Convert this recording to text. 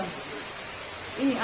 ini agak susah